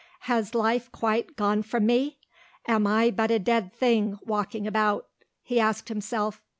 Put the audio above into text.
"Has life quite gone from me? Am I but a dead thing walking about?" he asked himself.